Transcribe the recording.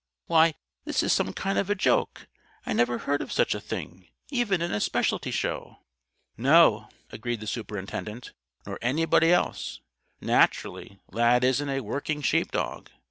Why, this is some kind of a joke! I never heard of such a thing even in a Specialty Show." "No," agreed the Superintendent, "nor anybody else. Naturally, Lad isn't a 'working' sheepdog.